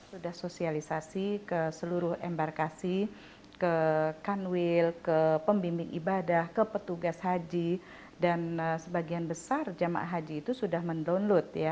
sudah sosialisasi ke seluruh embarkasi ke kanwil ke pembimbing ibadah ke petugas haji dan sebagian besar jemaah haji itu sudah mendownload ya